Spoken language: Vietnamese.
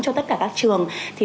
cho tất cả các trẻ con trong nhà